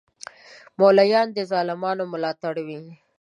مولایان د ظالمانو ملاتړ وی